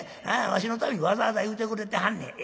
わしのためにわざわざ言うてくれてはんねん。